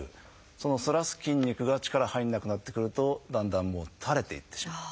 その反らす筋肉が力入らなくなってくるとだんだん垂れていってしまう。